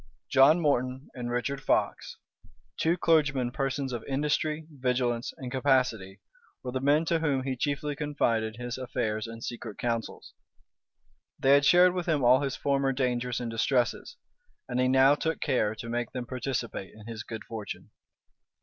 John Morton and Richard Fox, two clergymen persons of industry, vigilance, and capacity, were the men to whom he chiefly confided his affairs and secret counsels. They had shared with him all his former dangers and distresses; and he now took care to make them participate in his good fortune.